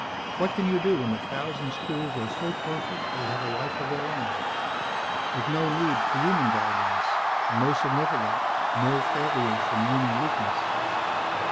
What can you do when a thousand schools are so perfect they have a life of their own, with no need for human guidance, and, most significant, no failures from human weakness?